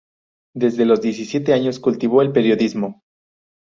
Desde los diecisiete años cultivó el periodismo.